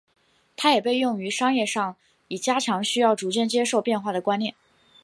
它也被用于商业上以加强需要逐渐接受变化的观念。